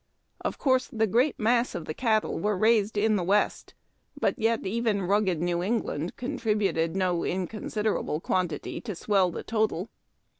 Of course, the great mass of the cattle were raised in the West, but yet even rugged New England contributed no inconsiderable quantity to swell the total.